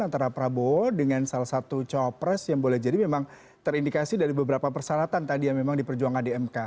antara prabowo dengan salah satu cawapres yang boleh jadi memang terindikasi dari beberapa persyaratan tadi yang memang diperjuangkan di mk